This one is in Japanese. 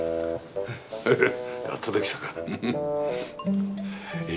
やっとできたか。